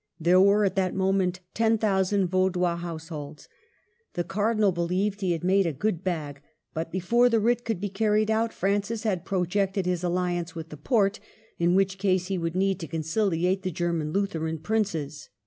There were at that moment ten thousand Vaudois house holds. The Cardinal beheved he had made a good bag; but before the writ could be car ried out Francis had projected his alliance with the Porte, in which case he would need to conciliate the German Lutheran princes.